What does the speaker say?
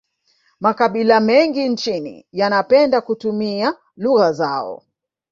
makabila mengi nchini yanapende kutumia lugha zao